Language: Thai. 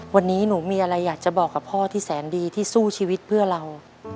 วันนี้หนูมีอะไรอยากจะบอกกับพ่อที่แสนดีที่สู้ชีวิตเพื่อเรา